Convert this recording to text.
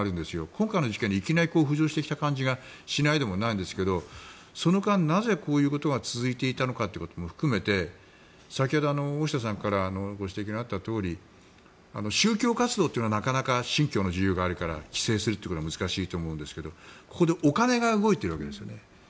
今回の事件でいきなり浮上してきた感じがしないでもないんですがその間、なぜこういうことが続いていたのかってことも含めて先ほど、大下さんからご指摘があったとおり宗教活動というのはなかなか信教の自由があるから規制するってことは難しいと思うんですがここでお金が動いているわけですよね。